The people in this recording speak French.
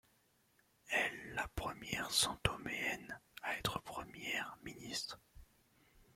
Elle la première Santoméenne à être Première ministre.